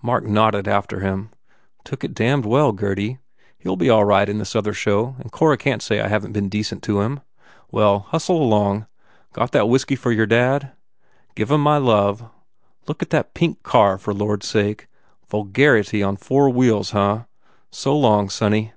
Mark nodded after him. "Took it damned well, Gurdy. He ll be all right in this other show and Cora can t say I haven t been decent to him. Well, hustle along. Got that whiskey for your dad? Give em my love. Look at that pink car, for lordsake ! Vulgar ity on four wheels, huh? So long, sonny."